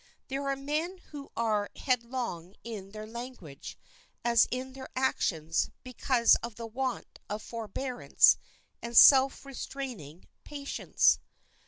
There are men who are headlong in their language as in their actions because of the want of forbearance and self restraining patience.